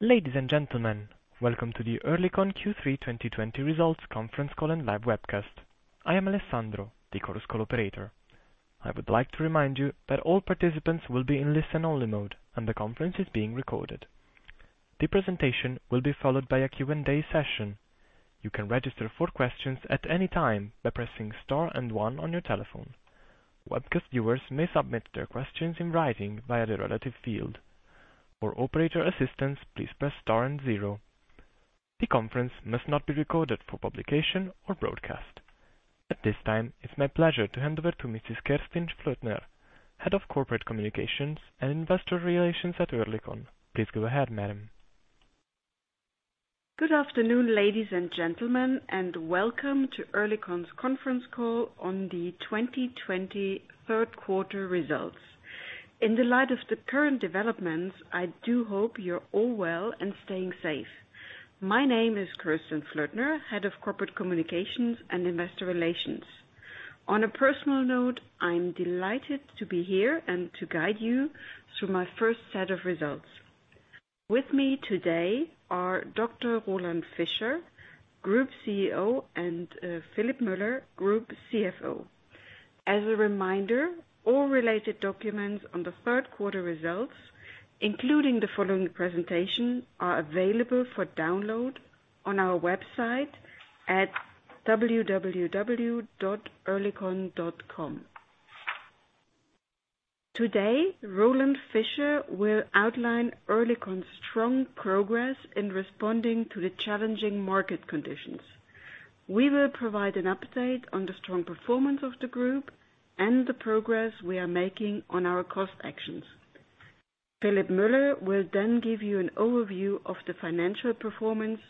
Ladies and gentlemen, welcome to the Oerlikon Q3 2020 results conference call and live webcast. I am Alessandro, the Chorus Call operator. I would like to remind you that all participants will be in listen-only mode, and the conference is being recorded. The presentation will be followed by a Q&A session. You can register for questions at any time by pressing star and one on your telephone. Webcast viewers may submit their questions in writing via the respective field. For operator assistance, please press star and zero. The conference must not be recorded for publication or broadcast. At this time, it's my pleasure to hand over to Mrs. Kerstin Flötner, Head of Corporate Communications and Investor Relations at Oerlikon. Please go ahead, madam. Good afternoon, ladies and gentlemen, and welcome to Oerlikon's conference call on the 2020 third quarter results. In the light of the current developments, I do hope you're all well and staying safe. My name is Kerstin Flötner, Head of Corporate Communications and Investor Relations. On a personal note, I'm delighted to be here and to guide you through my first set of results. With me today are Dr. Roland Fischer, Group CEO, and Philipp Müller, Group CFO. As a reminder, all related documents on the third quarter results, including the following presentation, are available for download on our website at www.oerlikon.com. Today, Roland Fischer will outline Oerlikon's strong progress in responding to the challenging market conditions. We will provide an update on the strong performance of the group and the progress we are making on our cost actions. Philipp Müller will then give you an overview of the financial performance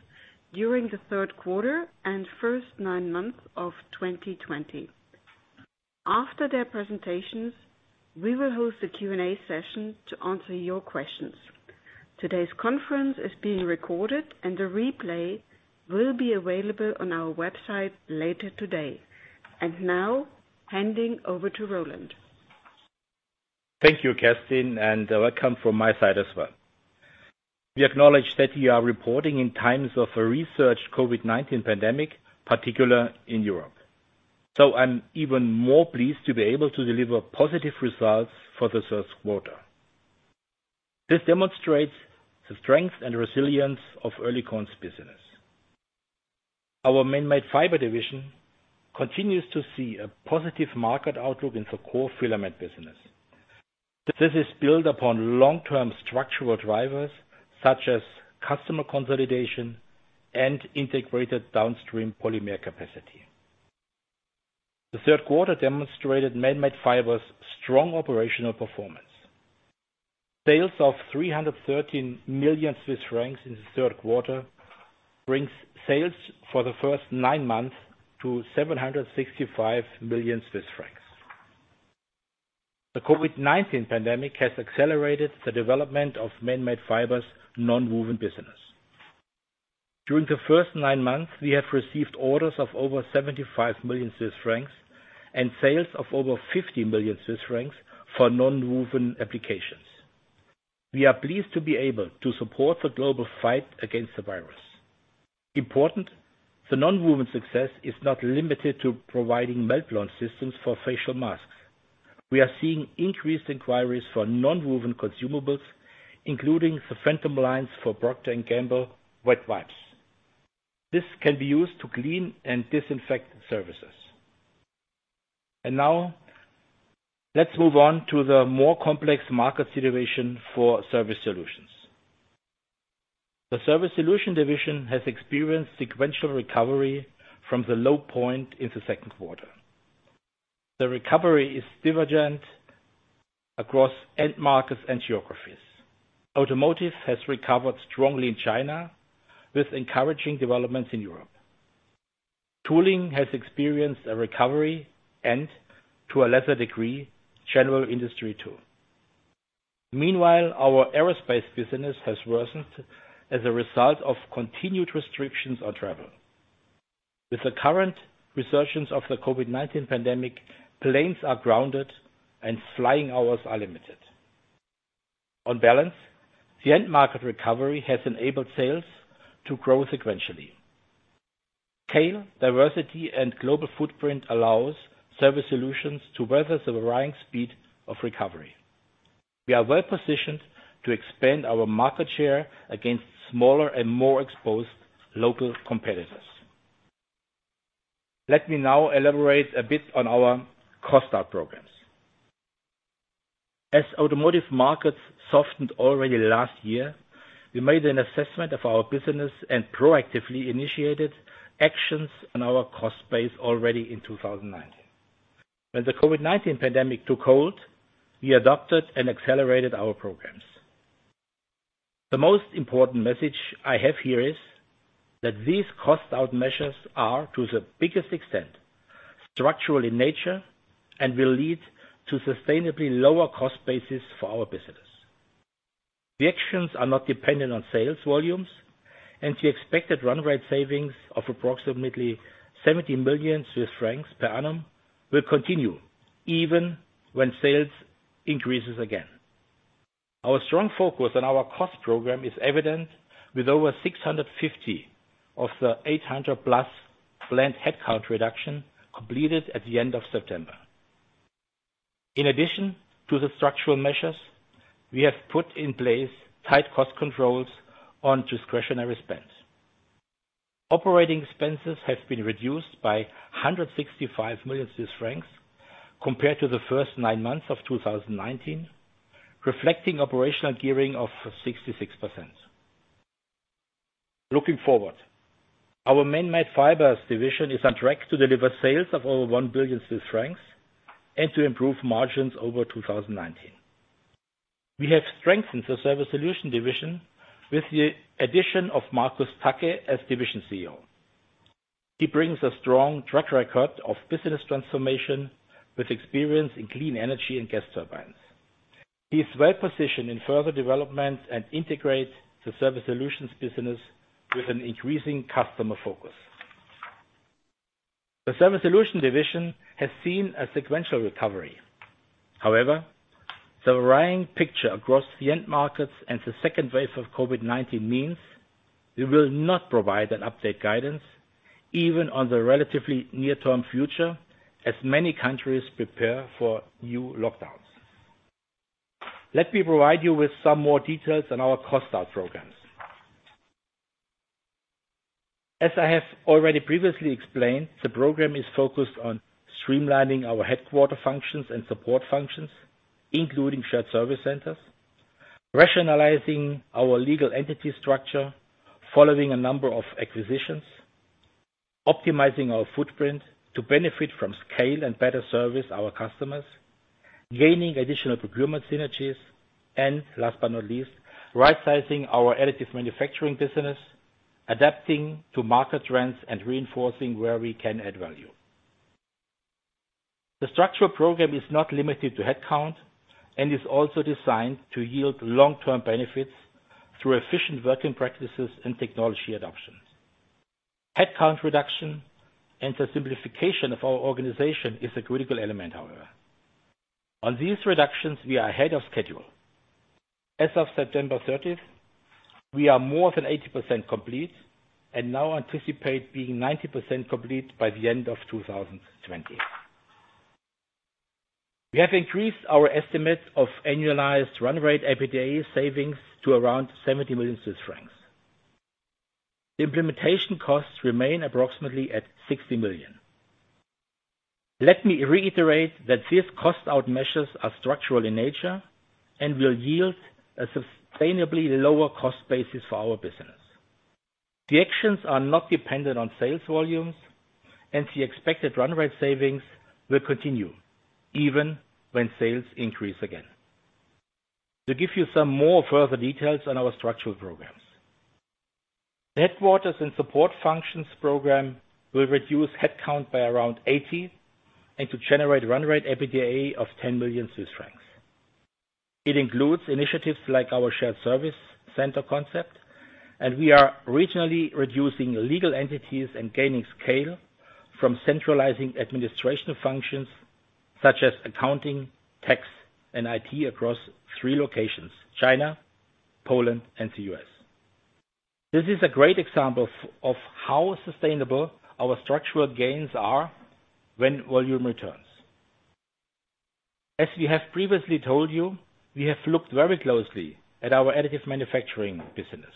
during the third quarter and first nine months of 2020. After their presentations, we will host a Q&A session to answer your questions. Today's conference is being recorded, and a replay will be available on our website later today. Now, handing over to Roland. Thank you, Kerstin, and welcome from my side as well. We acknowledge that we are reporting in times of a resurged COVID-19 pandemic, particularly in Europe, so I'm even more pleased to be able to deliver positive results for the third quarter. This demonstrates the strength and resilience of Oerlikon's business. Our Manmade Fiber division continues to see a positive market outlook in the core filament business. This is built upon long-term structural drivers such as customer consolidation and integrated downstream polymer capacity. The third quarter demonstrated Manmade Fiber's strong operational performance. Sales of 313 million Swiss francs in the third quarter brings sales for the first nine months to 765 million Swiss francs. The COVID-19 pandemic has accelerated the development of Manmade Fiber's nonwoven business. During the first nine months, we have received orders of over 75 million Swiss francs and sales of over 50 million Swiss francs for nonwoven applications. We are pleased to be able to support the global fight against the virus. Important, the nonwoven success is not limited to providing meltblown systems for facial masks. We are seeing increased inquiries for nonwoven consumables, including the Phantom lines for Procter & Gamble wet wipes. This can be used to clean and disinfect surfaces. Let's move on to the more complex market situation for Surface Solutions. The Surface Solutions division has experienced sequential recovery from the low point in the second quarter. The recovery is divergent across end markets and geographies. Automotive has recovered strongly in China, with encouraging developments in Europe. Tooling has experienced a recovery and, to a lesser degree, general industry too. Meanwhile, our aerospace business has worsened as a result of continued restrictions on travel. With the current resurgence of the COVID-19 pandemic, planes are grounded, and flying hours are limited. On balance, the end market recovery has enabled sales to grow sequentially. Scale, diversity, and global footprint allows Surface Solutions to weather the varying speed of recovery. We are well-positioned to expand our market share against smaller and more exposed local competitors. Let me now elaborate a bit on our cost out programs. As automotive markets softened already last year, we made an assessment of our business and proactively initiated actions on our cost base already in 2019. When the COVID-19 pandemic took hold, we adopted and accelerated our programs. The most important message I have here is that these cost-out measures are, to the biggest extent, structural in nature and will lead to sustainably lower cost bases for our business. The actions are not dependent on sales volumes. The expected run rate savings of approximately 70 million Swiss francs per annum will continue even when sales increases again. Our strong focus on our cost program is evident with over 650 of the 800+ planned headcount reduction completed at the end of September. In addition to the structural measures, we have put in place tight cost controls on discretionary spend. Operating expenses have been reduced by 165 million Swiss francs compared to the first nine months of 2019, reflecting operational gearing of 66%. Looking forward, our Manmade Fibers division is on track to deliver sales of over 1 billion Swiss francs and to improve margins over 2019. We have strengthened the Surface Solutions division with the addition of Markus Tacke as Division CEO. He brings a strong track record of business transformation with experience in clean energy and gas turbines. He is well-positioned in further development and integrates the Surface Solutions business with an increasing customer focus. The Surface Solutions division has seen a sequential recovery. However, the varying picture across the end markets and the second wave of COVID-19 means we will not provide an update guidance even on the relatively near-term future, as many countries prepare for new lockdowns. Let me provide you with some more details on our cost out programs. As I have already previously explained, the program is focused on streamlining our headquarter functions and support functions, including shared service centers, rationalizing our legal entity structure following a number of acquisitions, optimizing our footprint to benefit from scale and better service our customers, gaining additional procurement synergies, and last but not least, rightsizing our additive manufacturing business, adapting to market trends, and reinforcing where we can add value. The structural program is not limited to headcount and is also designed to yield long-term benefits through efficient working practices and technology adoptions. Headcount reduction and the simplification of our organization is a critical element, however. On these reductions, we are ahead of schedule. As of September 30th, we are more than 80% complete and now anticipate being 90% complete by the end of 2020. We have increased our estimate of annualized run rate EBITDA savings to around 70 million Swiss francs. The implementation costs remain approximately at 60 million. Let me reiterate that these cost-out measures are structural in nature and will yield a sustainably lower cost basis for our business. The actions are not dependent on sales volumes, and the expected run rate savings will continue even when sales increase again. To give you some more further details on our structural programs. The headquarters and support functions program will reduce headcount by around 80 and to generate run rate EBITDA of 10 million Swiss francs. It includes initiatives like our shared service center concept. We are regionally reducing legal entities and gaining scale from centralizing administration functions such as accounting, tax, and IT across three locations: China, Poland, and the U.S. This is a great example of how sustainable our structural gains are when volume returns. As we have previously told you, we have looked very closely at our additive manufacturing business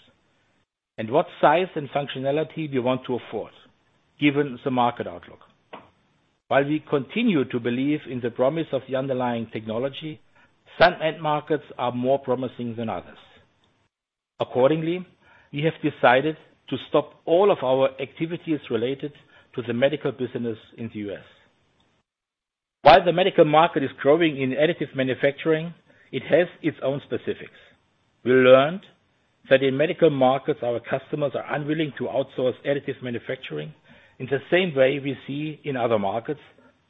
and what size and functionality we want to afford given the market outlook. While we continue to believe in the promise of the underlying technology, some end markets are more promising than others. Accordingly, we have decided to stop all of our activities related to the medical business in the U.S. While the medical market is growing in additive manufacturing, it has its own specifics. We learned that in medical markets, our customers are unwilling to outsource additive manufacturing in the same way we see in other markets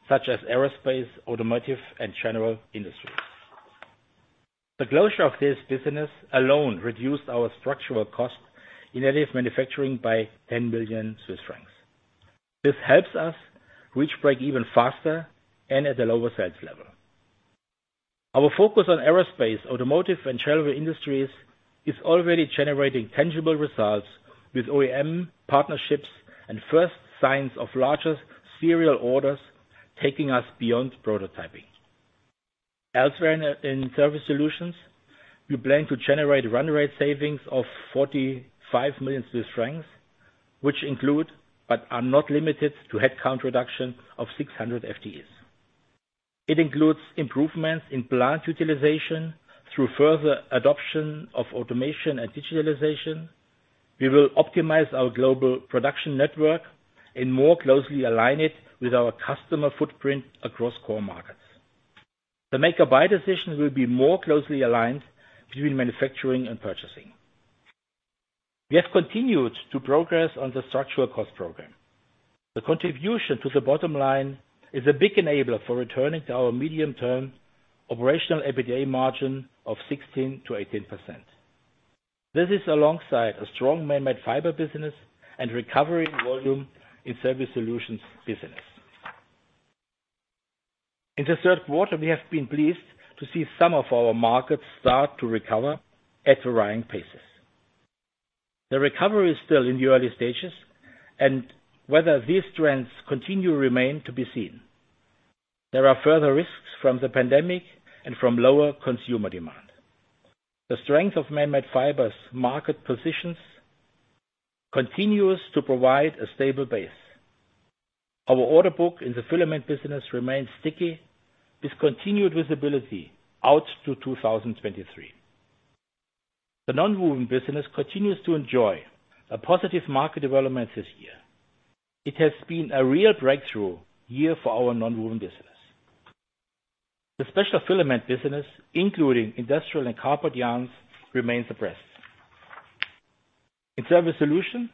such as aerospace, automotive, and general industries. The closure of this business alone reduced our structural cost in additive manufacturing by 10 million Swiss francs. This helps us reach break-even faster and at a lower sales level. Our focus on aerospace, automotive, and general industries is already generating tangible results with OEM partnerships and first signs of larger serial orders taking us beyond prototyping. Elsewhere in Surface Solutions, we plan to generate run rate savings of 45 million Swiss francs, which include, but are not limited to, headcount reduction of 600 FTEs. It includes improvements in plant utilization through further adoption of automation and digitalization. We will optimize our global production network and more closely align it with our customer footprint across core markets. The make or buy decision will be more closely aligned between manufacturing and purchasing. We have continued to progress on the structural cost program. The contribution to the bottom line is a big enabler for returning to our medium-term operational EBITDA margin of 16%-18%. This is alongside a strong manmade fiber business and recovery volume in Surface Solutions business. In the third quarter, we have been pleased to see some of our markets start to recover at varying paces. The recovery is still in the early stages, and whether these trends continue remain to be seen. There are further risks from the pandemic and from lower consumer demand. The strength of Manmade Fibers market positions continues to provide a stable base. Our order book in the filament business remains sticky, with continued visibility out to 2023. The nonwoven business continues to enjoy a positive market development this year. It has been a real breakthrough year for our nonwoven business. The special filament business, including industrial and carpet yarns, remains depressed. In Surface Solutions,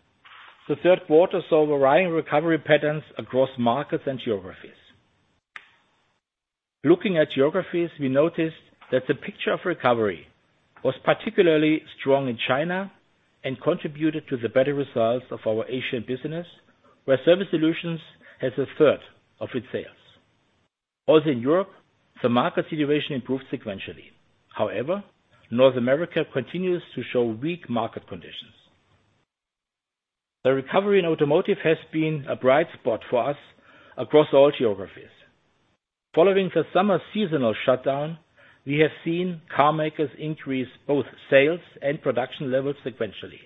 the third quarter saw varying recovery patterns across markets and geographies. Looking at geographies, we noticed that the picture of recovery was particularly strong in China and contributed to the better results of our Asian business, where Surface Solutions has a third of its sales. In Europe, the market situation improved sequentially. However, North America continues to show weak market conditions. The recovery in automotive has been a bright spot for us across all geographies. Following the summer seasonal shutdown, we have seen car makers increase both sales and production levels sequentially.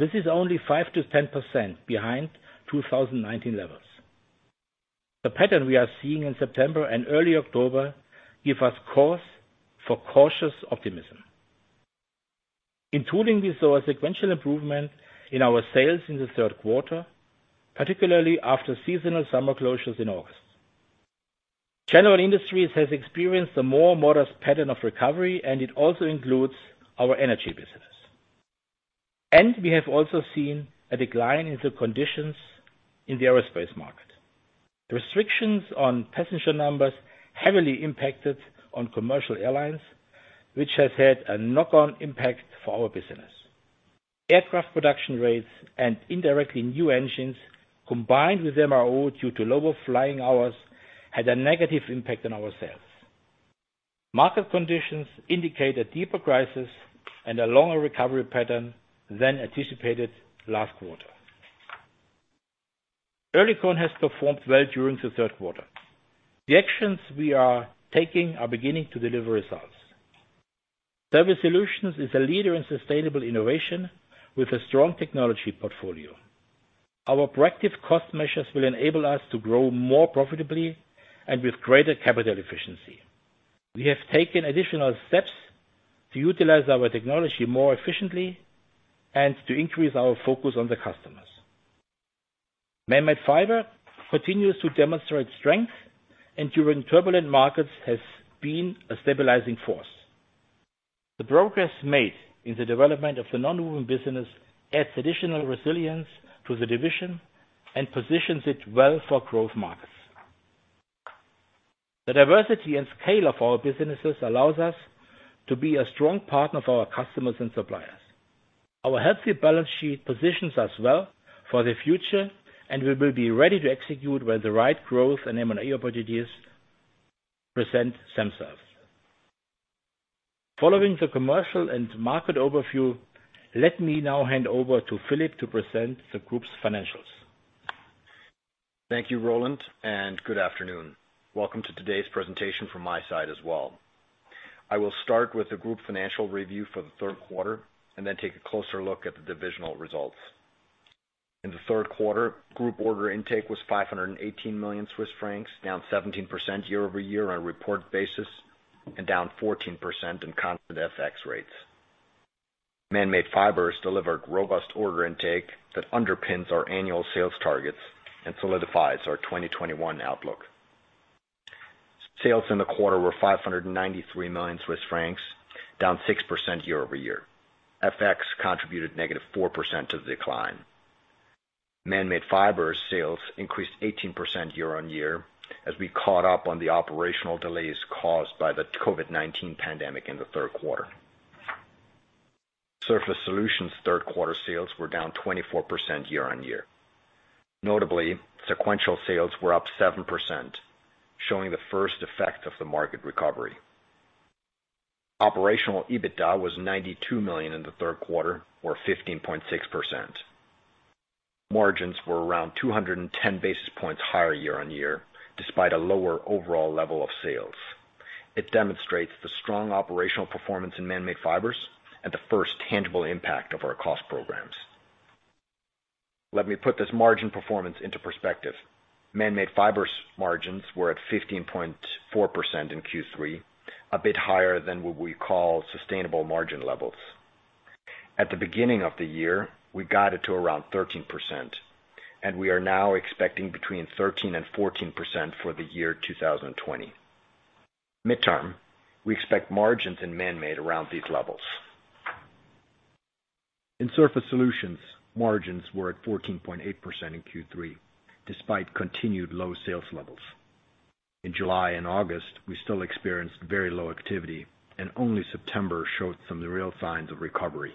This is only 5%-10% behind 2019 levels. The pattern we are seeing in September and early October give us cause for cautious optimism. In tooling, we saw a sequential improvement in our sales in the third quarter, particularly after seasonal summer closures in August. General Industries has experienced a more modest pattern of recovery, and it also includes our energy business. We have also seen a decline in the conditions in the aerospace market. Restrictions on passenger numbers heavily impacted on commercial airlines, which has had a knock-on impact for our business. Aircraft production rates and indirectly new engines, combined with MRO due to lower flying hours, had a negative impact on our sales. Market conditions indicate a deeper crisis and a longer recovery pattern than anticipated last quarter. Oerlikon has performed well during the third quarter. The actions we are taking are beginning to deliver results. Surface Solutions is a leader in sustainable innovation with a strong technology portfolio. Our proactive cost measures will enable us to grow more profitably and with greater capital efficiency. We have taken additional steps to utilize our technology more efficiently and to increase our focus on the customers. Manmade Fiber continues to demonstrate strength, and during turbulent markets has been a stabilizing force. The progress made in the development of the nonwoven business adds additional resilience to the division and positions it well for growth markets. The diversity and scale of our businesses allows us to be a strong partner for our customers and suppliers. Our healthy balance sheet positions us well for the future, and we will be ready to execute where the right growth and M&A opportunities present themselves. Following the commercial and market overview, let me now hand over to Philipp to present the group's financials. Thank you, Roland, and good afternoon. Welcome to today's presentation from my side as well. I will start with the group financial review for the third quarter and then take a closer look at the divisional results. In the third quarter, group order intake was 518 million Swiss francs, down 17% year-over-year on a report basis, and down 14% in constant FX rates. Manmade Fibers delivered robust order intake that underpins our annual sales targets and solidifies our 2021 outlook. Sales in the quarter were 593 million Swiss francs, down 6% year-over-year. FX contributed -4% to the decline. Manmade Fibers sales increased 18% year-on-year as we caught up on the operational delays caused by the COVID-19 pandemic in the third quarter. Surface Solutions third quarter sales were down 24% year-on-year. Notably, sequential sales were up 7%, showing the first effect of the market recovery. Operational EBITDA was 92 million in the third quarter, or 15.6%. Margins were around 210 basis points higher year-over-year, despite a lower overall level of sales. It demonstrates the strong operational performance in Manmade Fibers and the first tangible impact of our cost programs. Let me put this margin performance into perspective. Manmade Fibers margins were at 15.4% in Q3, a bit higher than what we call sustainable margin levels. At the beginning of the year, we guided to around 13%, and we are now expecting between 13% and 14% for the year 2020. Midterm, we expect margins in Manmade around these levels. In Surface Solutions, margins were at 14.8% in Q3, despite continued low sales levels. In July and August, we still experienced very low activity, only September showed some real signs of recovery.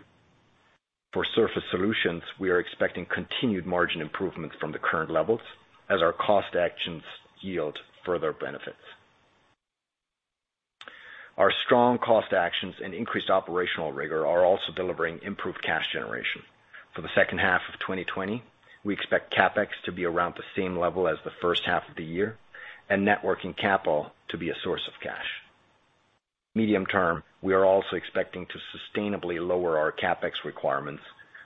For Surface Solutions, we are expecting continued margin improvements from the current levels as our cost actions yield further benefits. Our strong cost actions and increased operational rigor are also delivering improved cash generation. For the second half of 2020, we expect CapEx to be around the same level as the first half of the year, networking capital to be a source of cash. Medium-term, we are also expecting to sustainably lower our CapEx requirements,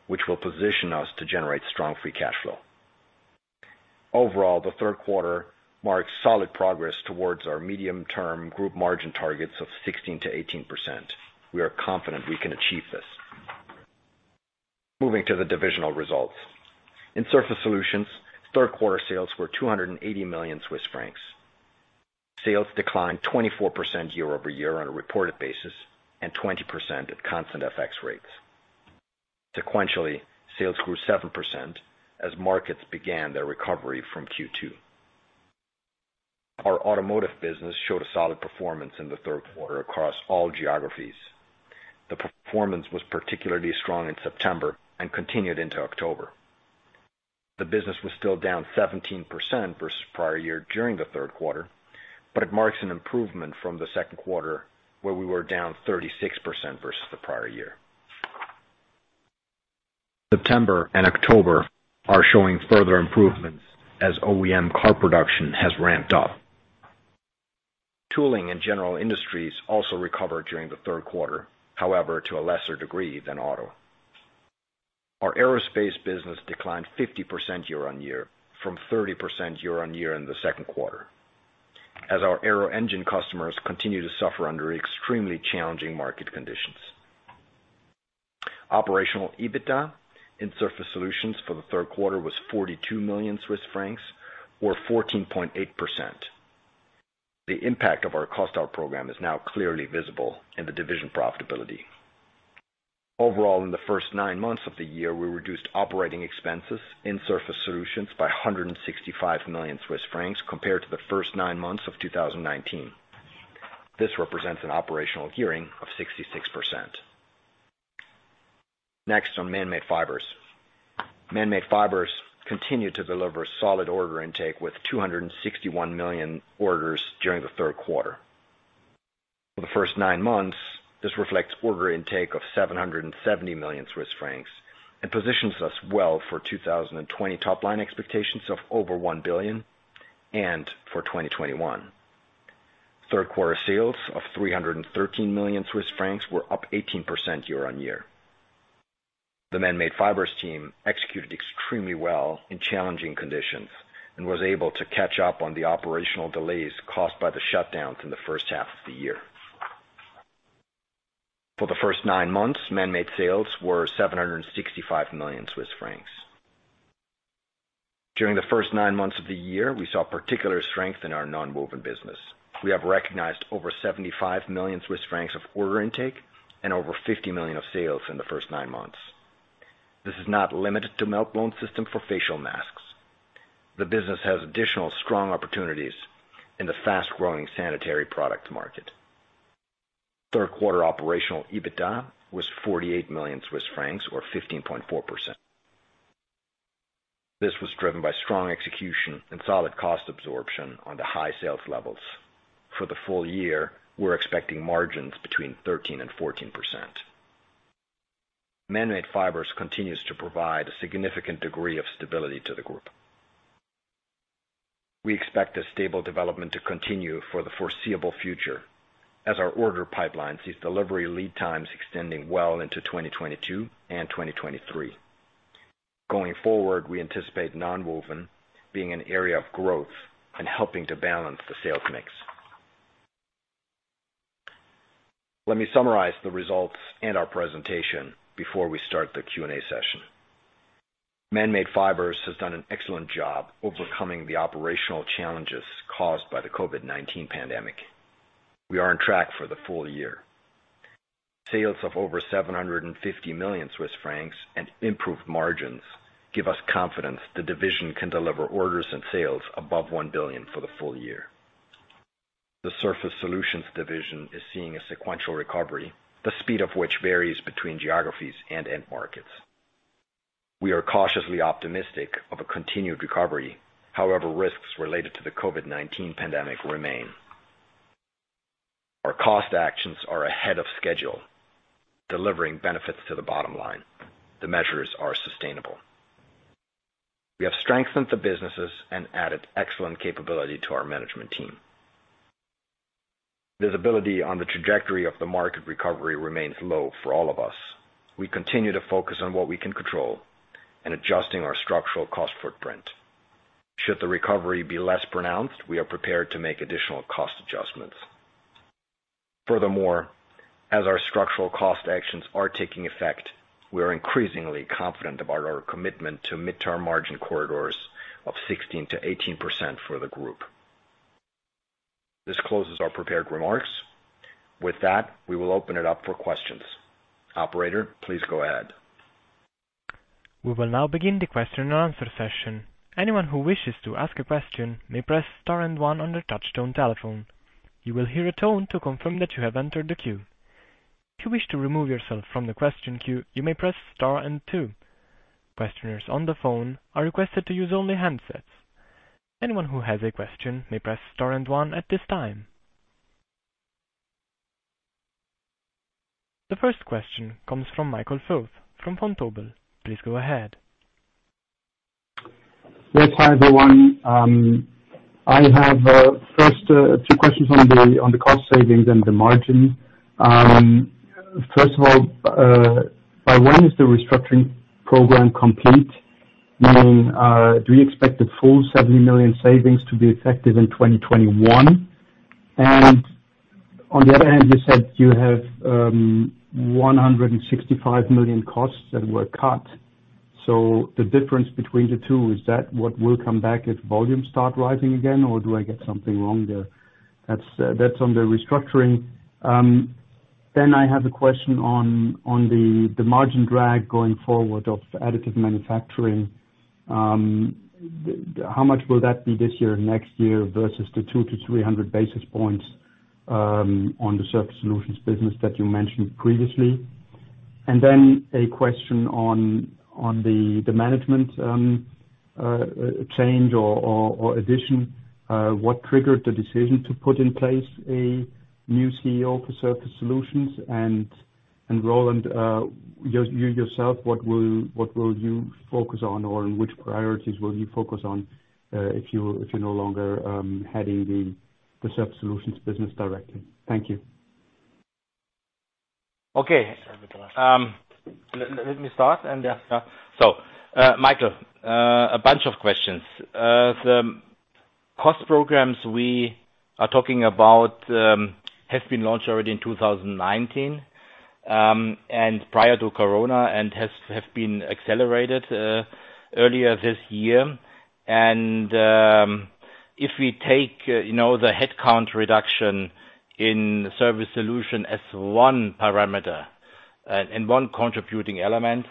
which will position us to generate strong free cash flow. Overall, the third quarter marks solid progress towards our medium-term group margin targets of 16%-18%. We are confident we can achieve this. Moving to the divisional results. In Surface Solutions, third quarter sales were 280 million Swiss francs. Sales declined 24% year-over-year on a reported basis, and 20% at constant FX rates. Sequentially, sales grew 7% as markets began their recovery from Q2. Our automotive business showed a solid performance in the third quarter across all geographies. The performance was particularly strong in September and continued into October. The business was still down 17% versus prior year during the third quarter, but it marks an improvement from the second quarter, where we were down 36% versus the prior year. September and October are showing further improvements as OEM car production has ramped up. Tooling and general industries also recovered during the third quarter, however, to a lesser degree than auto. Our aerospace business declined 50% year-on-year from 30% year-on-year in the second quarter, as our aero-engine customers continue to suffer under extremely challenging market conditions. Operational EBITDA in Surface Solutions for the third quarter was 42 million Swiss francs, or 14.8%. The impact of our cost out program is now clearly visible in the division profitability. Overall, in the first nine months of the year, we reduced operating expenses in Surface Solutions by 165 million Swiss francs compared to the first nine months of 2019. This represents an operational gearing of 66%. Next, on Manmade Fibers. Manmade Fibers continued to deliver solid order intake with 261 million orders during the third quarter. For the first nine months, this reflects order intake of 770 million Swiss francs and positions us well for 2020 top-line expectations of over 1 billion and for 2021. Third quarter sales of 313 million Swiss francs were up 18% year-on-year. The Manmade Fibers team executed extremely well in challenging conditions and was able to catch up on the operational delays caused by the shutdowns in the first half of the year. For the first nine months, Manmade sales were 765 million Swiss francs. During the first nine months of the year, we saw particular strength in our nonwoven business. We have recognized over 75 million Swiss francs of order intake and over 50 million of sales in the first nine months. This is not limited to meltblown system for facial masks. The business has additional strong opportunities in the fast-growing sanitary product market. Third quarter operational EBITDA was 48 million Swiss francs, or 15.4%. This was driven by strong execution and solid cost absorption on the high sales levels. For the full year, we're expecting margins between 13% and 14%. Manmade Fibers continues to provide a significant degree of stability to the group. We expect a stable development to continue for the foreseeable future as our order pipeline sees delivery lead times extending well into 2022 and 2023. Going forward, we anticipate nonwoven being an area of growth and helping to balance the sales mix. Let me summarize the results and our presentation before we start the Q&A session. Manmade Fibers has done an excellent job overcoming the operational challenges caused by the COVID-19 pandemic. We are on track for the full year. Sales of over 750 million Swiss francs and improved margins give us confidence the division can deliver orders and sales above 1 billion for the full year. The Surface Solutions division is seeing a sequential recovery, the speed of which varies between geographies and end markets. We are cautiously optimistic of a continued recovery. However, risks related to the COVID-19 pandemic remain. Our cost actions are ahead of schedule, delivering benefits to the bottom line. The measures are sustainable. We have strengthened the businesses and added excellent capability to our management team. Visibility on the trajectory of the market recovery remains low for all of us. We continue to focus on what we can control and adjusting our structural cost footprint. Should the recovery be less pronounced, we are prepared to make additional cost adjustments. Furthermore, as our structural cost actions are taking effect, we are increasingly confident about our commitment to mid-term margin corridors of 16%-18% for the group. This closes our prepared remarks. With that, we will open it up for questions. Operator, please go ahead. We will now begin the question and answer session. Anyone who wishes to ask a question may press star and one on their touchtone telephone. You will hear a tone to confirm that you have entered the queue. If you wish to remove yourself from the question queue, you may press star and two. Questioners on the phone are requested to use only handsets. Anyone who has a question may press star and one at this time. The first question comes from Michael Foeth from Vontobel. Please go ahead. Yes. Hi, everyone. I have, first, two questions on the cost savings and the margin. First of all, by when is the restructuring program complete? Meaning, do we expect the full 70 million savings to be effective in 2021? On the other hand, you said you have 165 million costs that were cut. The difference between the two, is that what will come back if volumes start rising again, or do I get something wrong there? That's on the restructuring. I have a question on the margin drag going forward of additive manufacturing. How much will that be this year and next year versus the 200 basis points-300 basis points on the Surface Solutions business that you mentioned previously? A question on the management change or addition. What triggered the decision to put in place a new CEO for Surface Solutions? Roland, you yourself, what will you focus on or which priorities will you focus on, if you're no longer heading the Surface Solutions business directly? Thank you. Okay. Let me start. Michael, a bunch of questions. The cost programs we are talking about have been launched already in 2019, and prior to corona, and have been accelerated earlier this year. If we take the headcount reduction in Surface Solutions as one parameter and one contributing element,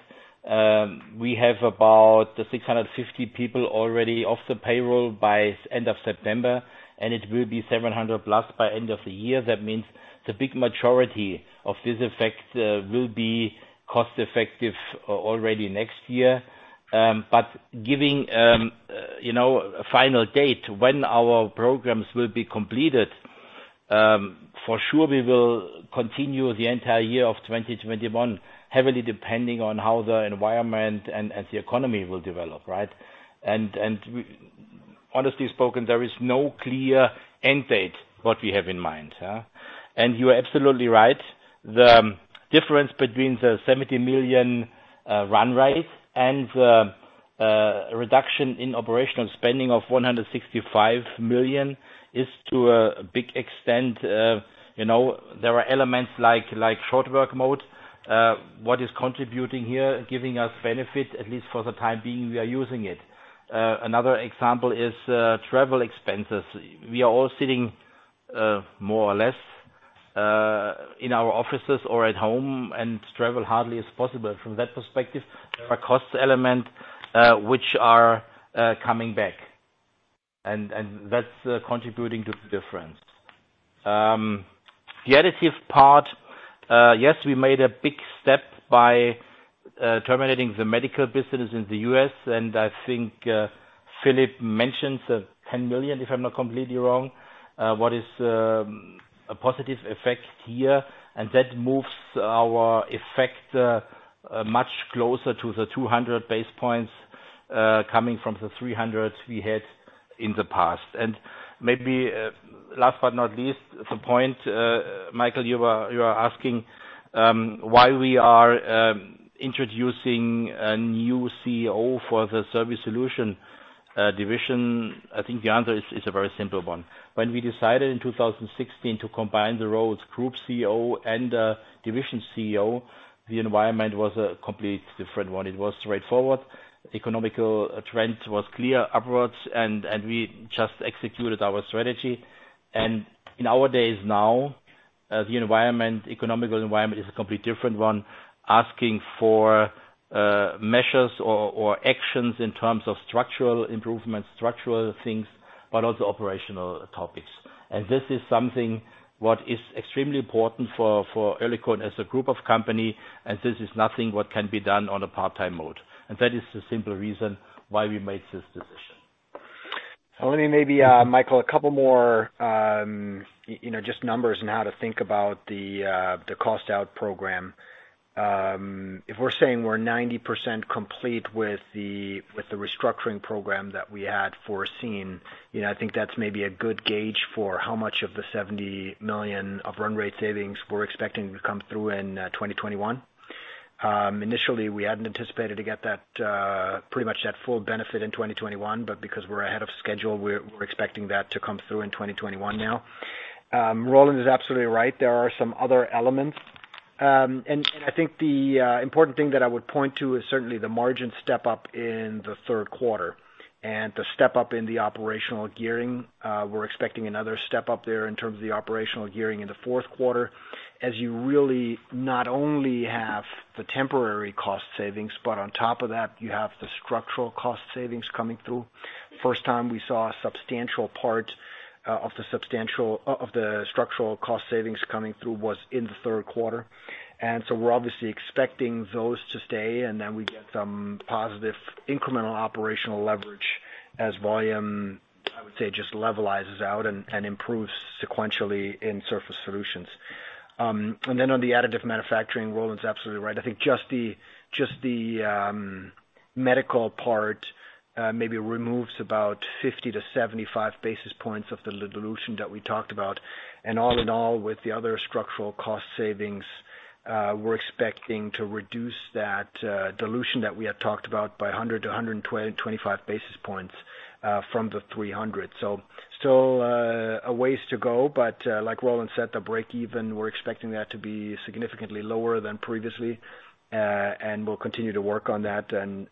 we have about 650 people already off the payroll by end of September, and it will be 700+ by end of the year. That means the big majority of this effect will be cost-effective already next year. Giving a final date when our programs will be completed, for sure we will continue the entire year of 2021, heavily depending on how the environment and the economy will develop, right? Honestly spoken, there is no clear end date, what we have in mind. You are absolutely right. The difference between the 70 million run rate and the reduction in operational spending of 165 million is to a big extent. There are elements like short work mode. What is contributing here, giving us benefit, at least for the time being, we are using it. Another example is travel expenses. We are all sitting, more or less, in our offices or at home, and travel hardly is possible. From that perspective, there are cost elements which are coming back. That's contributing to the difference. The additive part. Yes, we made a big step by terminating the medical business in the U.S., and I think Philipp mentioned the 10 million, if I'm not completely wrong, what is a positive effect here. That moves our effect much closer to the 200 basis points, coming from the 300 basis points we had in the past. Maybe last but not least, the point, Michael, you are asking why we are introducing a new CEO for the Surface Solutions division. I think the answer is a very simple one. When we decided in 2016 to combine the roles Group CEO and Division CEO, the environment was a completely different one. It was straightforward. Economical trends was clear upwards, we just executed our strategy. In our days now, the economical environment is a completely different one, asking for measures or actions in terms of structural improvements, structural things, but also operational topics. This is something what is extremely important for Oerlikon as a group of company, this is nothing what can be done on a part-time mode. That is the simple reason why we made this decision. Let me maybe, Michael, a couple more just numbers on how to think about the cost-out program. If we're saying we're 90% complete with the restructuring program that we had foreseen, I think that's maybe a good gauge for how much of the 70 million of run rate savings we're expecting to come through in 2021. Initially, we hadn't anticipated to get pretty much that full benefit in 2021. Because we're ahead of schedule, we're expecting that to come through in 2021 now. Roland is absolutely right. There are some other elements. I think the important thing that I would point to is certainly the margin step-up in the third quarter and the step-up in the operational gearing. We're expecting another step-up there in terms of the operational gearing in the fourth quarter, as you really not only have the temporary cost savings, but on top of that you have the structural cost savings coming through. First time we saw a substantial part of the structural cost savings coming through was in the third quarter. We're obviously expecting those to stay, we get some positive incremental operational leverage as volume, I would say, just levelizes out and improves sequentially in Surface Solutions. On the additive manufacturing, Roland's absolutely right. I think just the medical part maybe removes about 50 basis points-75 basis points of the dilution that we talked about. All in all, with the other structural cost savings, we're expecting to reduce that dilution that we had talked about by 100 basis points-125 basis points from the 300 basis points. Still a ways to go, but like Roland said, the break-even, we're expecting that to be significantly lower than previously. We'll continue to work on that and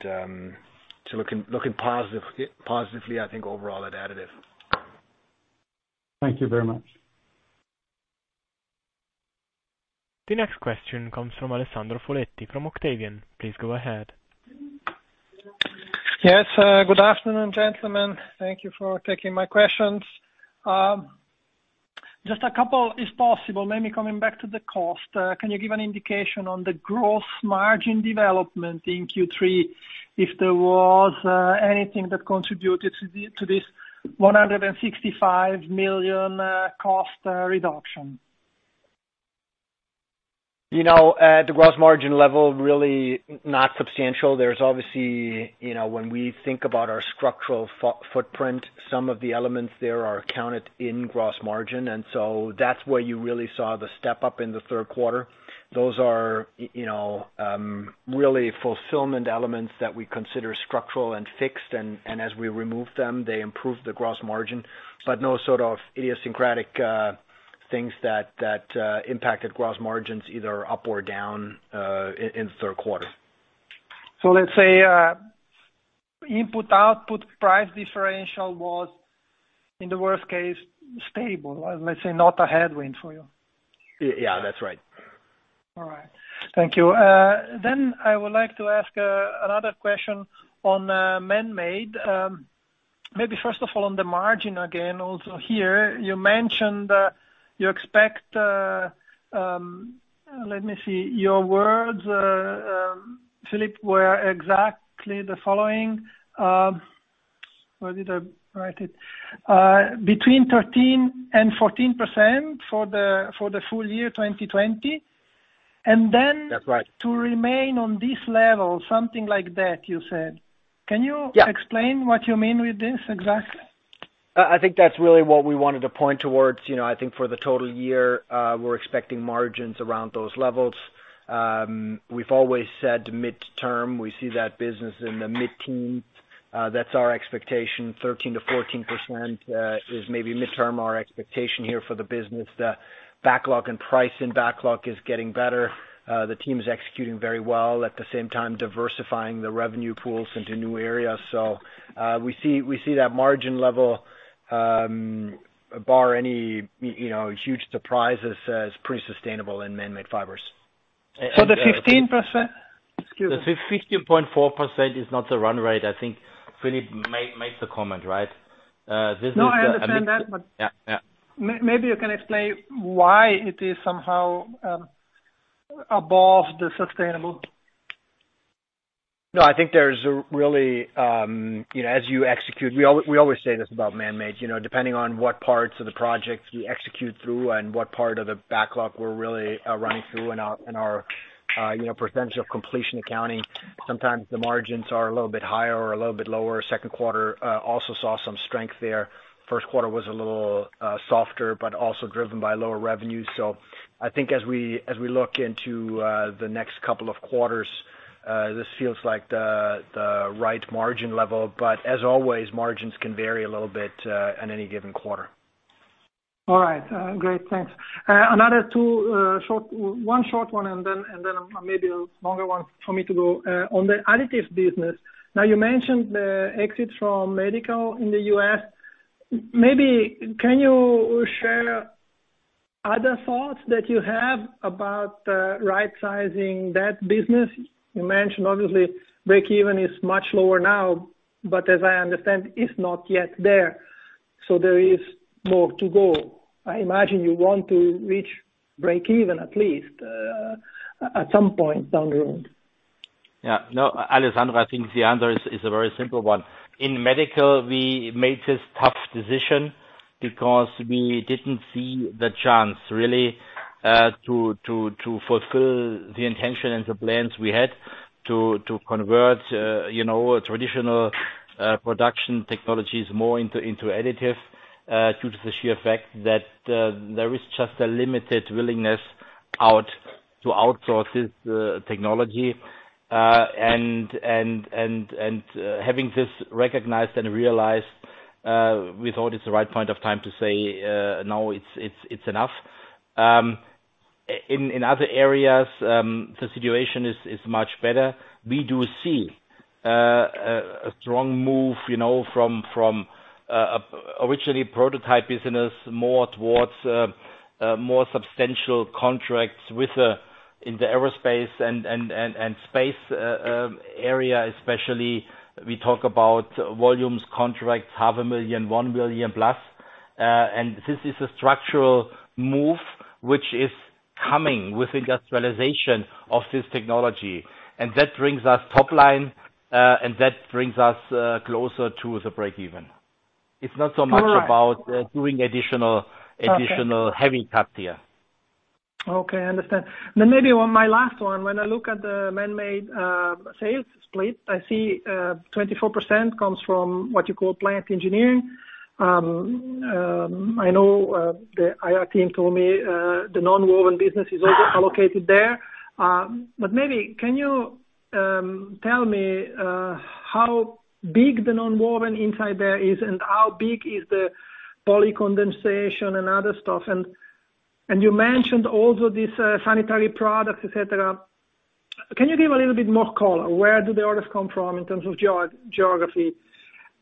to looking positively, I think, overall at additive. Thank you very much. The next question comes from Alessandro Foletti from Octavian. Please go ahead. Yes. Good afternoon, gentlemen. Thank you for taking my questions. Just a couple if possible, maybe coming back to the cost. Can you give an indication on the gross margin development in Q3 if there was anything that contributed to this 165 million cost reduction? At the gross margin level, really not substantial. There's obviously, when we think about our structural footprint, some of the elements there are counted in gross margin. That's where you really saw the step-up in the third quarter. Those are really fulfillment elements that we consider structural and fixed. As we remove them, they improve the gross margin, but no sort of idiosyncratic things that impacted gross margins either up or down in the third quarter. Let's say input-output price differential was, in the worst case, stable. Let's say not a headwind for you. Yeah, that's right. All right. Thank you. I would like to ask another question on Manmade. Maybe first of all, on the margin again, also here, you mentioned, you expect, let me see. Your words, Philipp, were exactly the following. Where did I write it? Between 13% and 14% for the full year 2020. That's right. To remain on this level, something like that, you said. Yeah. Can you explain what you mean with this exactly? I think that's really what we wanted to point towards. I think for the total year, we're expecting margins around those levels. We've always said midterm, we see that business in the mid-teens. That's our expectation. 13%-14% is maybe midterm our expectation here for the business. The backlog and price in backlog is getting better. The team is executing very well, at the same time diversifying the revenue pools into new areas. We see that margin level, bar any huge surprises, as pretty sustainable in Manmade Fibers. The 15%- Excuse me. The 15.4% is not the run rate. I think Philipp made the comment, right? No, I understand that. Yeah. Maybe you can explain why it is somehow above the sustainable. I think there's really, as you execute, we always say this about Manmade, depending on what parts of the project we execute through and what part of the backlog we're really running through in our percentage of completion accounting, sometimes the margins are a little bit higher or a little bit lower. Second quarter also saw some strength there. First quarter was a little softer, but also driven by lower revenue. I think as we look into the next couple of quarters, this feels like the right margin level. As always, margins can vary a little bit in any given quarter. All right. Great. Thanks. Another two short, one short one, and then maybe a longer one for me to go. On the additives business, now you mentioned the exit from medical in the U.S. Maybe can you share other thoughts that you have about rightsizing that business? You mentioned obviously break even is much lower now, but as I understand, it's not yet there. There is more to go. I imagine you want to reach break even, at least, at some point down the road. Yeah. No, Alessandro, I think the answer is a very simple one. In medical, we made this tough decision because we didn't see the chance, really, to fulfill the intention and the plans we had to convert traditional production technologies more into additive due to the sheer fact that there is just a limited willingness to outsource this technology. Having this recognized and realized, we thought it's the right point of time to say, now it's enough. In other areas, the situation is much better. We do see a strong move from originally prototype business more towards more substantial contracts in the aerospace and space area, especially we talk about volumes, contracts, 0.5 million, 1+ million. This is a structural move, which is coming with industrialization of this technology. That brings us top line, and that brings us closer to the break even. It's not so much about doing additional heavy cut here. Okay, I understand. Maybe on my last one, when I look at the Manmade sales split, I see 24% comes from what you call plant engineering. I know the IR team told me, the nonwoven business is also allocated there. Maybe, can you tell me how big the nonwoven inside there is, and how big is the polycondensation and other stuff? You mentioned also this sanitary product, et cetera. Can you give a little bit more color? Where do the orders come from in terms of geography?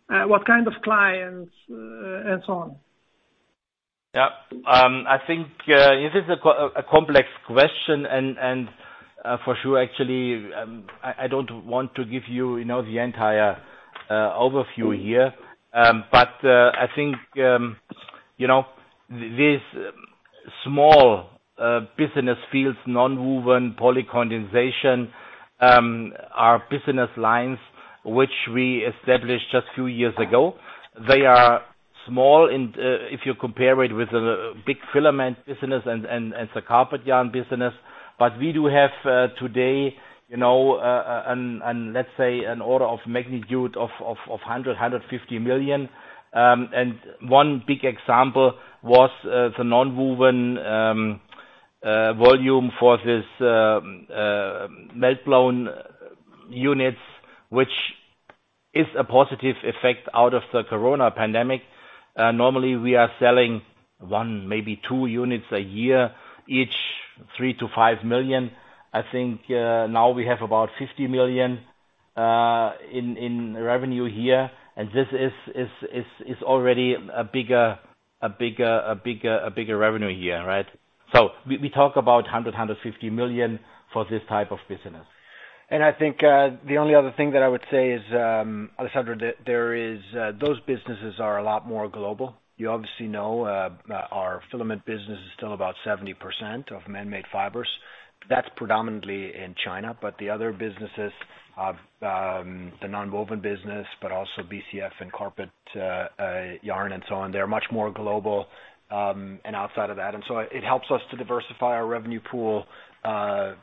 What kind of clients and so on? Yeah. I think this is a complex question and for sure, actually, I don't want to give you the entire overview here. I think these small business fields, nonwoven, polycondensation, are business lines which we established just a few years ago. They are small if you compare it with the big filament business and the carpet yarn business. We do have today, let's say an order of magnitude of 100 million, 150 million. One big example was the nonwoven volume for these meltblown units, which is a positive effect out of the corona pandemic. Normally we are selling one, maybe two units a year, each 3 million-5 million. I think now we have about 50 million in revenue here, and this is already a bigger revenue here. We talk about 100 million, 150 million for this type of business. I think the only other thing that I would say is, Alessandro, that those businesses are a lot more global. You obviously know our filament business is still about 70% of Manmade Fibers. That's predominantly in China. The other businesses, the nonwoven business, but also BCF and carpet yarn and so on, they are much more global, and outside of that. It helps us to diversify our revenue pool,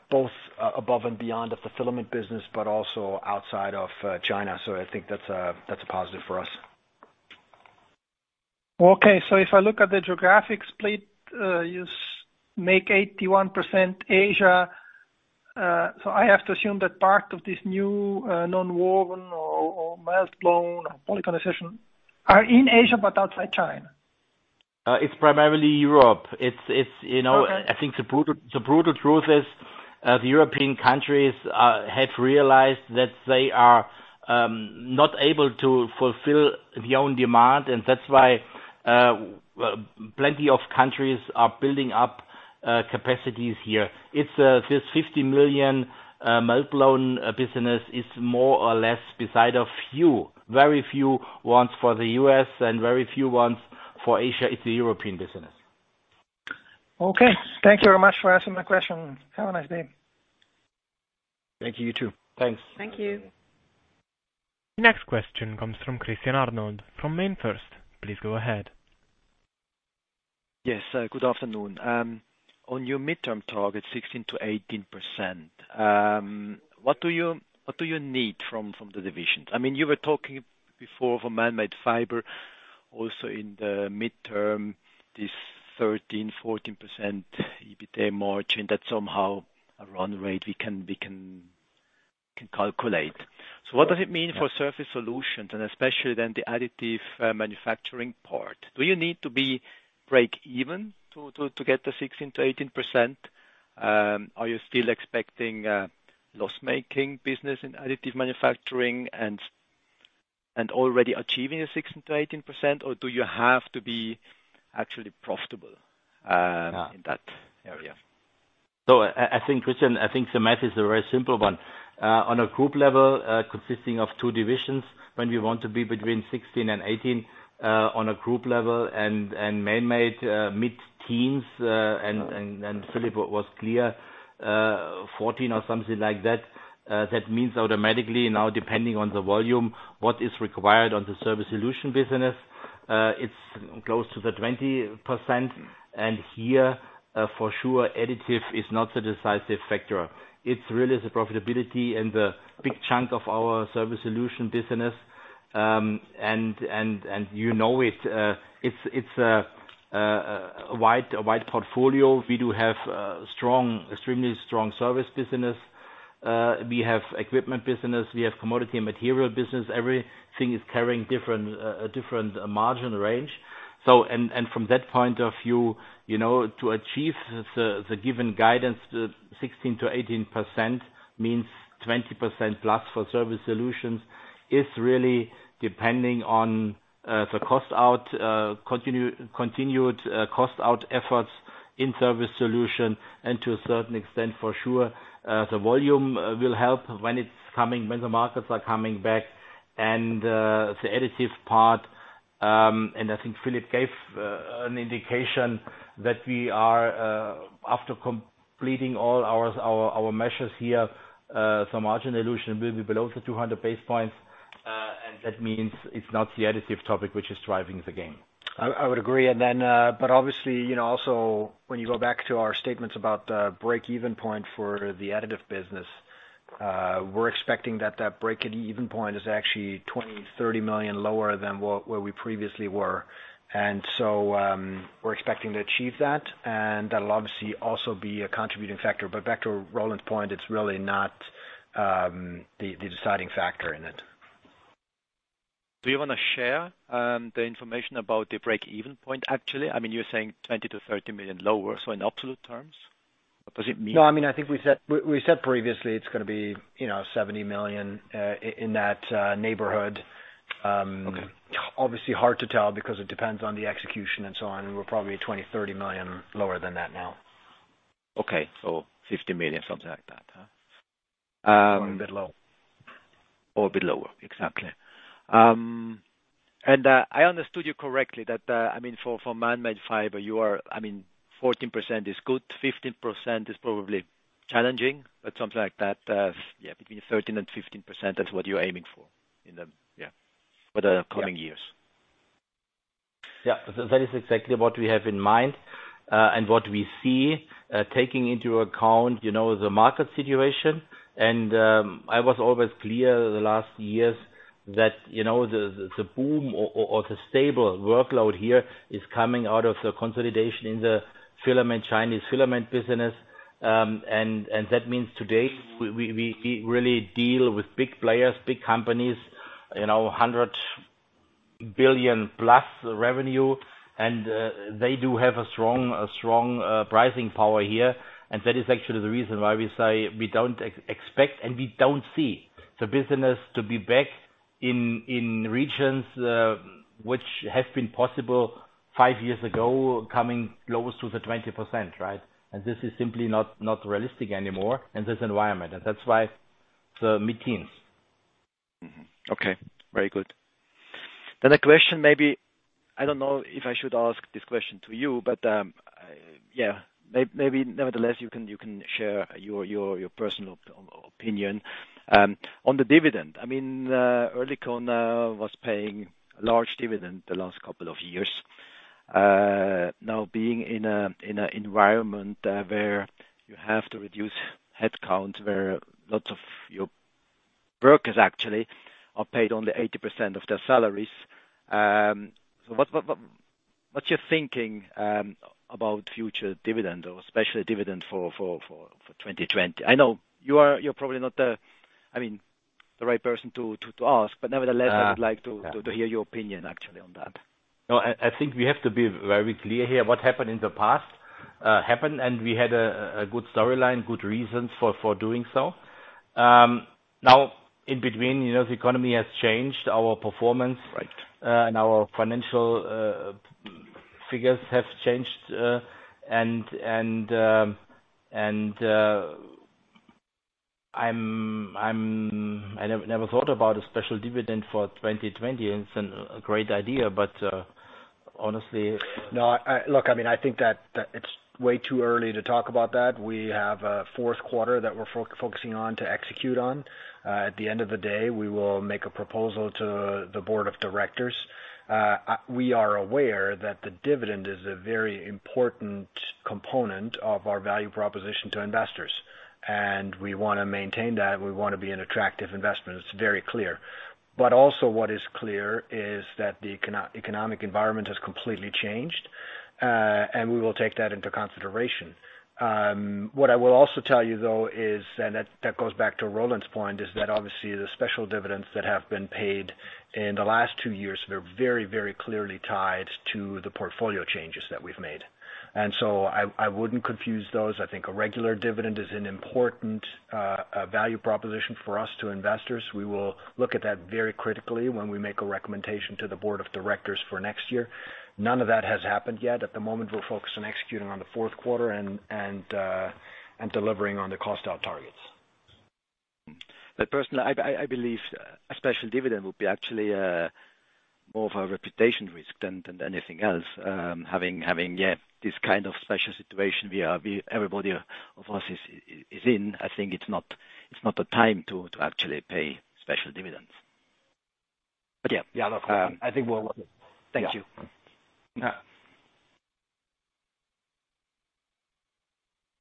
both above and beyond of the filament business, but also outside of China. I think that's a positive for us. If I look at the geographic split, you make 81% Asia. I have to assume that part of this new nonwoven or meltblown or polycondensation are in Asia, but outside China. It's primarily Europe. Okay. I think the brutal truth is the European countries have realized that they are not able to fulfill the own demand, and that's why plenty of countries are building up capacities here. This 50 million meltblown business is more or less beside a few, very few ones for the U.S. and very few ones for Asia. It's a European business. Okay. Thank you very much for answering my question. Have a nice day. Thank you. You too. Thanks. Thank you. Next question comes from Christian Arnold from MainFirst. Please go ahead. Yes. Good afternoon. On your midterm target 16%-18%, what do you need from the divisions? You were talking before for Manmade Fibers also in the midterm, this 13%-14% EBITDA margin. That's somehow a run rate we can calculate. What does it mean for Surface Solutions and especially then the additive manufacturing part? Do you need to be break even to get to 16%-18%? Are you still expecting loss-making business in additive manufacturing and already achieving a 16%-18% or do you have to be actually profitable in that area? I think, Christian, I think the math is a very simple one. On a group level, consisting of two divisions, when we want to be between 16% and 18% on a group level and Manmade mid-teens and Philipp was clear, 14% or something like that. That means automatically now, depending on the volume, what is required on the Surface Solutions business. It's close to the 20%. Here, for sure, additive is not the decisive factor. It's really the profitability and the big chunk of our Surface Solutions business. You know it. It's a wide portfolio. We do have extremely strong service business. We have equipment business, we have commodity and material business. Everything is carrying a different margin range. From that point of view, to achieve the given guidance, 16%-18% means 20%+ for Surface Solutions, is really depending on the continued cost-out efforts in Surface Solutions. To a certain extent, for sure, the volume will help when the markets are coming back. The additive part, and I think Philipp gave an indication that we are after completing all our measures here, the margin dilution will be below the 200 basis points. That means it's not the additive topic which is driving the gain. I would agree. Obviously, also when you go back to our statements about the break-even point for the additive business, we're expecting that that break-even point is actually 20 million, 30 million lower than where we previously were. We're expecting to achieve that, and that'll obviously also be a contributing factor. Back to Roland's point, it's really not the deciding factor in it. Do you want to share the information about the break-even point, actually? I mean, you're saying 20 million-30 million lower, so in absolute terms? Does it mean- No, I think we said previously it's going to be 70 million, in that neighborhood. Okay. Obviously hard to tell because it depends on the execution and so on. We're probably at 20 million-30 million lower than that now. Okay. 50 million, something like that, huh? A bit low. A bit lower. Exactly. I understood you correctly that, for Manmade Fibers, 14% is good, 15% is probably challenging. Something like that, between 13% and 15%, that's what you're aiming for for the coming years. Yeah. That is exactly what we have in mind, and what we see, taking into account the market situation. I was always clear the last years that the boom or the stable workload here is coming out of the consolidation in the Chinese filament business. That means today we really deal with big players, big companies, 100+ billion revenue. They do have a strong pricing power here. That is actually the reason why we say we don't expect, and we don't see the business to be back in regions, which has been possible five years ago, coming close to the 20%. Right? This is simply not realistic anymore in this environment. That's why the mid-teens. Okay. Very good. A question maybe, I don't know if I should ask this question to you. Maybe nevertheless, you can share your personal opinion on the dividend. Oerlikon was paying a large dividend the last couple of years. Now being in a environment where you have to reduce headcount, where lots of your workers actually are paid only 80% of their salaries. What's your thinking about future dividend or special dividend for 2020? I know you're probably not the right person to ask, but nevertheless, I would like to hear your opinion actually on that. No, I think we have to be very clear here. What happened in the past happened, and we had a good storyline, good reasons for doing so. In between, the economy has changed, our performance- Right. -our financial figures have changed. I never thought about a special dividend for 2020. It's a great idea, but honestly- No, look, I think that it's way too early to talk about that. We have a fourth quarter that we're focusing on to execute on. At the end of the day, we will make a proposal to the board of directors. We are aware that the dividend is a very important component of our value proposition to investors, and we want to maintain that. We want to be an attractive investment. It's very clear. Also what is clear is that the economic environment has completely changed. We will take that into consideration. What I will also tell you, though, is that goes back to Roland's point, is that obviously the special dividends that have been paid in the last two years were very, very clearly tied to the portfolio changes that we've made. I wouldn't confuse those. I think a regular dividend is an important value proposition for us to investors. We will look at that very critically when we make a recommendation to the board of directors for next year. None of that has happened yet. At the moment, we're focused on executing on the fourth quarter and delivering on the cost-out targets. Personally, I believe a special dividend would be actually more of a reputation risk than anything else. Having this kind of special situation everybody of us is in, I think it is not the time to actually pay special dividends. Yeah. Yeah. No problem. I think we'll- Thank you. Yeah.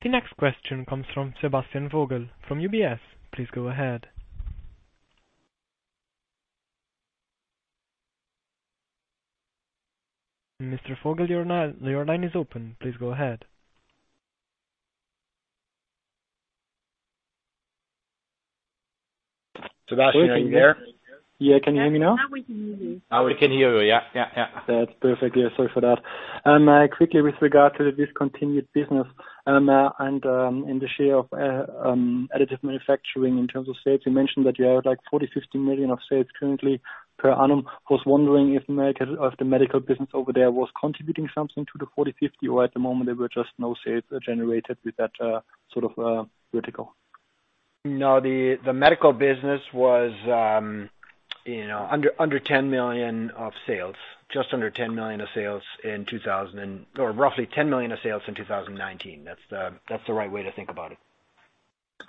The next question comes from Sebastian Vogel from UBS. Please go ahead. Mr. Vogel, your line is open. Please go ahead. Sebastian, are you there? Yeah. Can you hear me now? Now we can hear you. Now we can hear you. Yeah. That's perfect. Yeah, sorry for that. Quickly with regard to the discontinued business, in the share of additive manufacturing in terms of sales, you mentioned that you have 40 million, 50 million of sales currently per annum. I was wondering if the medical business over there was contributing something to the 40 million, 50 million, or at the moment there were just no sales generated with that vertical. The medical business was under 10 million of sales, just under 10 million of sales in 2000, or roughly 10 million of sales in 2019. That's the right way to think about it.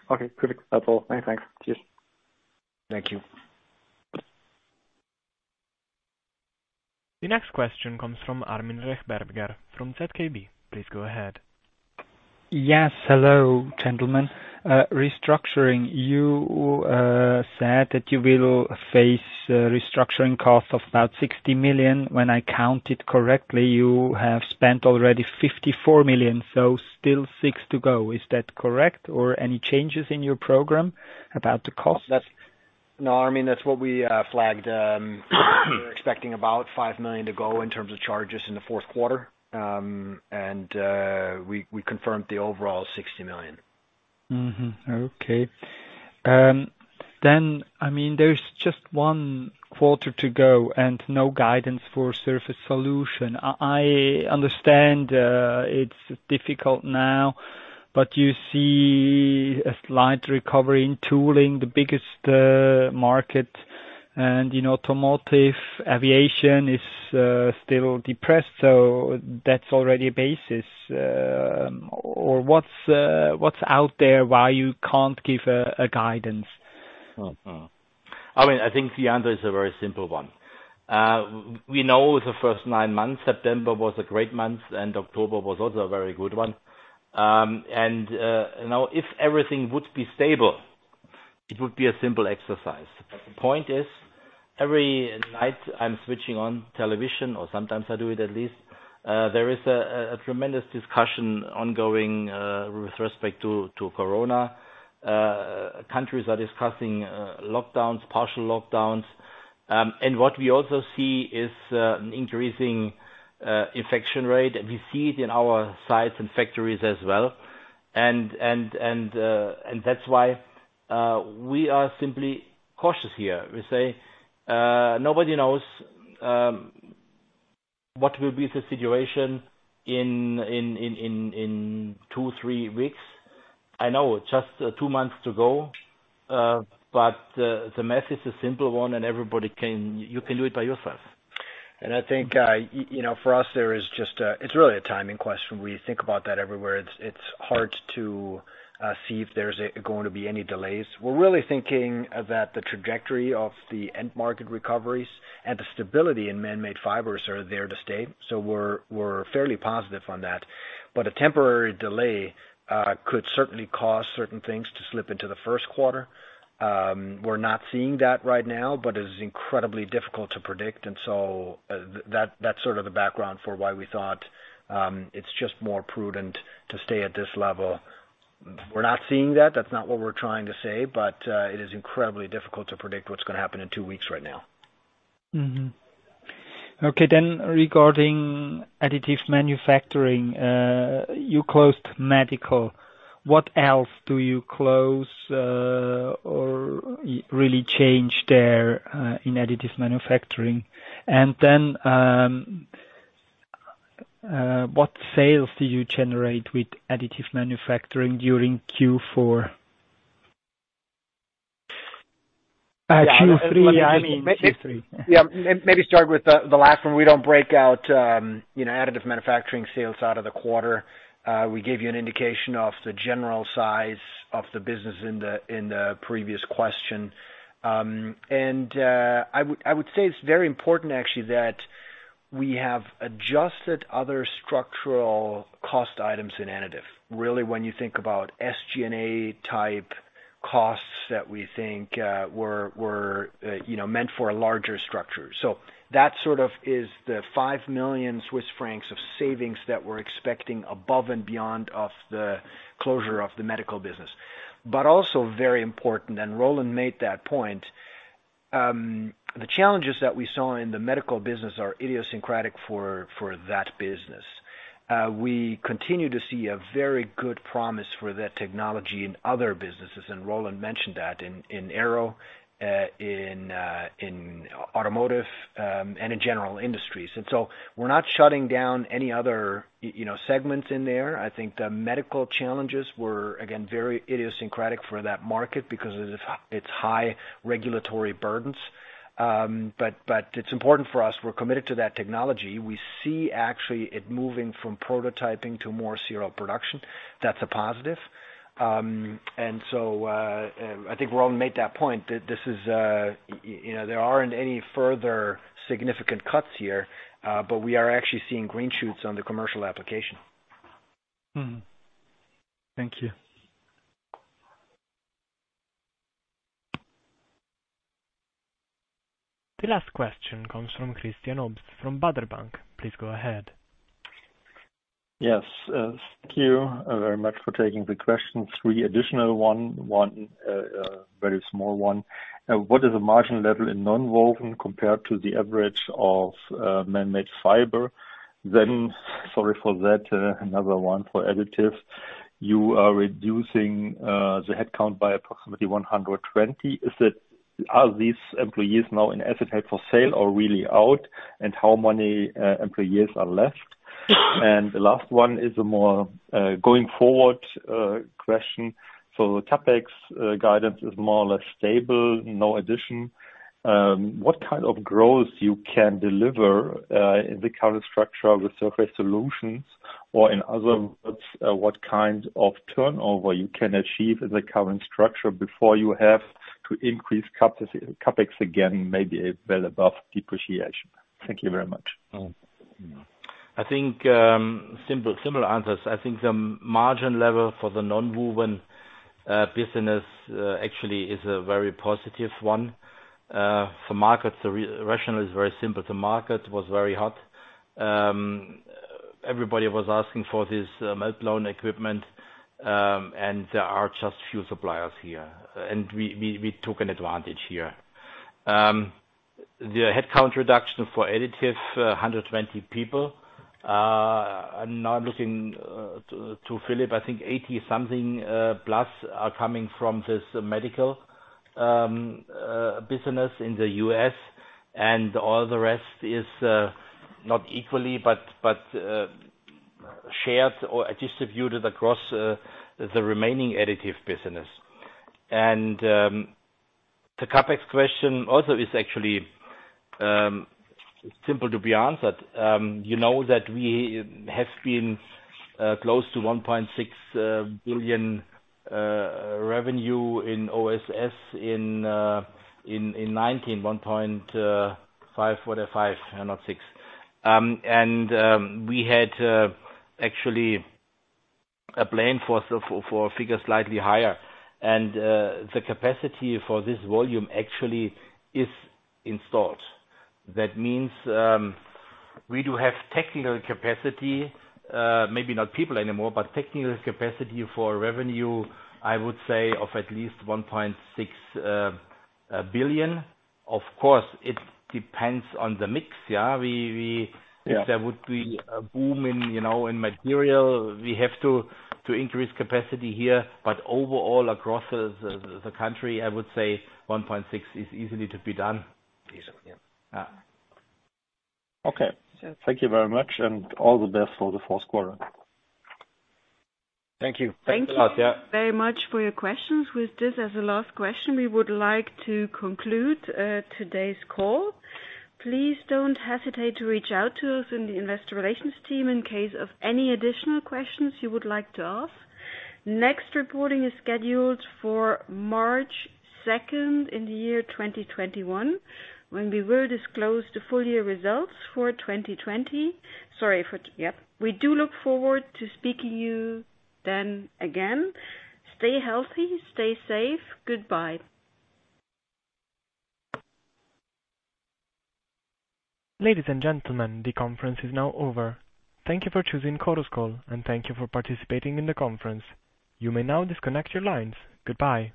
Okay, perfect. That's all. Many thanks. Cheers. Thank you. The next question comes from Armin Rechberger from ZKB. Please go ahead. Yes. Hello, gentlemen. Restructuring. You said that you will face restructuring cost of about 60 million. When I count it correctly, you have spent already 54 million, still six to go. Is that correct? Any changes in your program about the cost? No, Armin, that's what we flagged. We're expecting about 5 million to go in terms of charges in the fourth quarter. We confirmed the overall 60 million. Mm-hmm. Okay. There's just one quarter to go and no guidance for Surface Solutions. I understand it's difficult now, you see a slight recovery in tooling, the biggest market, and automotive, aviation is still depressed, so that's already a basis. What's out there why you can't give a guidance? I think the answer is a very simple one. We know the first nine months, September was a great month, and October was also a very good one. Now if everything would be stable, it would be a simple exercise. The point is, every night I'm switching on television, or sometimes I do it at least, there is a tremendous discussion ongoing, with respect to corona. Countries are discussing lockdowns, partial lockdowns. What we also see is an increasing infection rate, and we see it in our sites and factories as well. That's why we are simply cautious here. We say, nobody knows what will be the situation in two, three weeks. I know just two months to go. The message is a simple one, and you can do it by yourself. I think, for us, it's really a timing question. We think about that everywhere. It's hard to see if there's going to be any delays. We're really thinking that the trajectory of the end market recoveries and the stability in Manmade Fibers are there to stay. We're fairly positive on that. A temporary delay could certainly cause certain things to slip into the first quarter. We're not seeing that right now, but it is incredibly difficult to predict. That's sort of the background for why we thought it's just more prudent to stay at this level. We're not seeing that. That's not what we're trying to say, but it is incredibly difficult to predict what's going to happen in two weeks right now. Mm-hmm. Okay, regarding additive manufacturing, you closed medical. What else do you close or really change there in additive manufacturing? What sales do you generate with additive manufacturing during Q4? I mean Q3. Maybe start with the last one. We don't break out additive manufacturing sales out of the quarter. We gave you an indication of the general size of the business in the previous question. I would say it's very important actually, that we have adjusted other structural cost items in additive. Really, when you think about SG&A type costs that we think were meant for a larger structure. That sort of is the 5 million Swiss francs of savings that we're expecting above and beyond of the closure of the medical business. Also very important, and Roland made that point. The challenges that we saw in the medical business are idiosyncratic for that business. We continue to see a very good promise for that technology in other businesses, and Roland mentioned that in aero, in automotive, and in general industries. We're not shutting down any other segments in there. I think the medical challenges were, again, very idiosyncratic for that market because it's high regulatory burdens. It's important for us. We're committed to that technology. We see actually it moving from prototyping to more serial production. That's a positive. I think Roland made that point that there aren't any further significant cuts here. We are actually seeing green shoots on the commercial application. Thank you. The last question comes from Christian Obst from Baader Bank. Please go ahead. Yes. Thank you very much for taking the question. Three additional one very small one. What is the margin level in nonwoven compared to the average of Manmade Fiber? Sorry for that, another one for additive. You are reducing the headcount by approximately 120. Are these employees now in assets held for sale or really out? How many employees are left? The last one is a more going forward question. The CapEx guidance is more or less stable. No addition. What kind of growth you can deliver in the current structure with Surface Solutions, or in other words, what kind of turnover you can achieve in the current structure before you have to increase CapEx again, maybe a bit above depreciation? Thank you very much. I think, similar answers. I think the margin level for the nonwoven business actually is a very positive one. For market, the rationale is very simple. The market was very hot. Everybody was asking for this meltblown equipment, and there are just few suppliers here. We took an advantage here. The headcount reduction for additive, 120 people. Now I'm looking to Philipp. I think 80 something plus are coming from this medical business in the U.S., and all the rest is not equally, but shared or distributed across the remaining additive business. The CapEx question also is actually simple to be answered. You know that we have been close to 1.6 billion revenue in OSS in 2019, 1.5 billion. What a five and not six. We had actually a plan for a figure slightly higher. The capacity for this volume actually is installed. That means, we do have technical capacity, maybe not people anymore, but technical capacity for revenue, I would say, of at least 1.6 billion. Of course, it depends on the mix. Yeah. Yeah. If there would be a boom in material, we have to increase capacity here. Overall, across the country, I would say 1.6 billion is easily to be done. Easily, yeah. Yeah. Okay. Thank you very much and all the best for the fourth quarter. Thank you. Thank you very much for your questions. With this as the last question, we would like to conclude today's call. Please don't hesitate to reach out to us in the Investor Relations team in case of any additional questions you would like to ask. Next reporting is scheduled for March 2nd in the year 2021, when we will disclose the full year results for 2020. Sorry. Yep. We do look forward to speaking to you then again. Stay healthy. Stay safe. Goodbye. Ladies and gentlemen, the conference is now over. Thank you for choosing Chorus Call, and thank you for participating in the conference. You may now disconnect your lines. Goodbye.